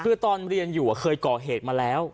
คือตอนเรียนอยู่เคยก่อเหตุมาแล้ว